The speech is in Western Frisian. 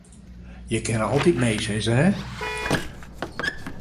Je kinne altyd nee sizze, hin.